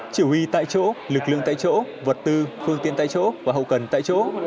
chỉ huy tại chỗ lực lượng tại chỗ vật tư phương tiện tại chỗ và hậu cần tại chỗ